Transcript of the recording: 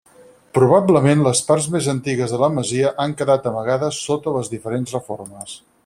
Probablement les parts més antigues de la masia han quedat amagades sota les diferents reformes.